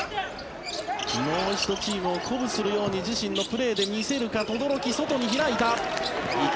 もう一度チームを鼓舞するように自身のプレーで見せるか轟、外に開いた。